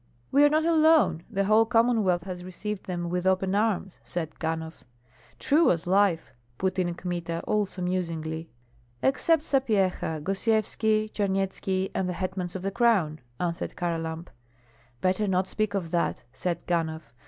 "We are not alone; the whole Commonwealth has received them with open arms," said Ganhoff. "True as life," put in Kmita, also musingly. "Except Sapyeha, Gosyevski, Charnyetski, and the hetmans of the crown," answered Kharlamp. "Better not speak of that," said Ganhoff.